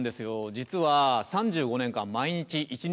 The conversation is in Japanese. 実は３５年間毎日１日